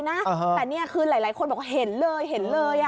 แต่นี่คือหลายคนบอกเห็นเลยเห็นเลย